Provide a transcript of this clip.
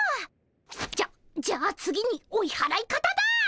じゃじゃあ次に追いはらい方だ。